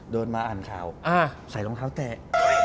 เดินมาอ่านข่าวใส่รองเท้าแตะ